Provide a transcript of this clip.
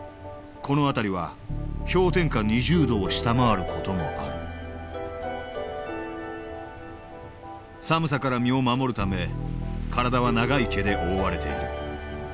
この辺りは氷点下２０度を下回る事もある寒さから身を守るため体は長い毛で覆われている。